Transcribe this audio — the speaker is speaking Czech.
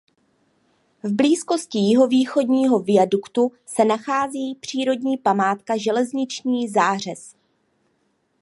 V blízkosti jihovýchodního viaduktu se nachází přírodní památka Železniční zářez.